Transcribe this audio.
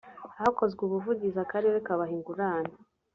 hakozwe ubuvugizi; akarere kabaha ingurane